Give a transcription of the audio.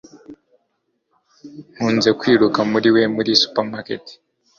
Nkunze kwiruka muri we muri supermarket.